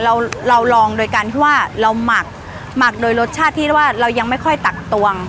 เราเราลองโดยการที่ว่าเราหมักหมักโดยรสชาติที่ว่าเรายังไม่ค่อยตักตวง